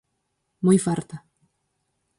Moi farta.